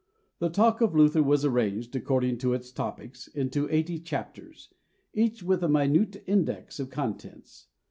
The talk of Luther was arranged, according to its topics, into eighty chapters, each with a minute index of contents.